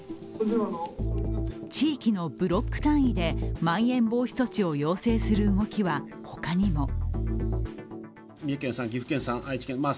地域のブロック単位でまん延防止措置を要請する動きは、他にも。